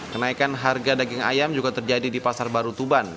kenaikan harga daging ayam juga terjadi di pasar baru tuban